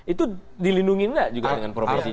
itu dilindungi nggak juga dengan promosi